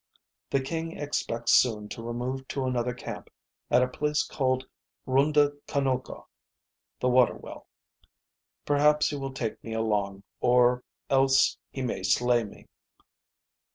"The king expects soon to remove to another camp at a place called Rhunda Konoka (the Water Well). Perhaps he will take me along, or else he may slay me.